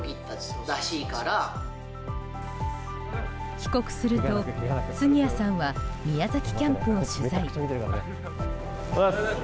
帰国すると、杉谷さんは宮崎キャンプを取材。